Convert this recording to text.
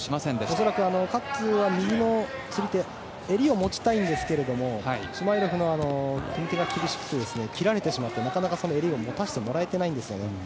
恐らくカッツは右の釣り手襟を持ちたいんですけどシュマイロフの組み手が厳しくて切られてしまってなかなか襟を持たせてもらえてないんですよね。